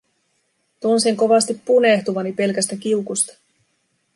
Tunsin kovasti punehtuvani pelkästä kiukusta.